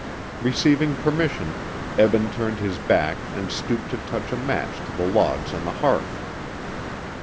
Receiving permission, Eben turned his back and stooped to touch a match to the logs on the hearth.